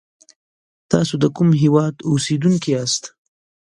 تاسی دکوم هیواد اوسیدونکی یاست